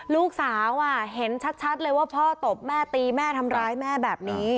ลูกสาวเห็นชัดเลยว่าพ่อตบแม่ตีแม่ทำร้ายแม่แบบนี้